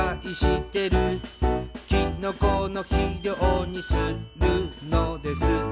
「きのこの肥料にするのです」